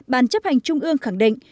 bàn chấp hành trung ương khẳng định